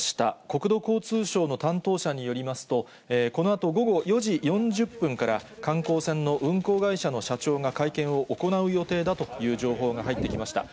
国土交通省の担当者によりますと、このあと午後４時４０分から観光船の運航会社の社長が会見を行う予定だという情報が入ってきました。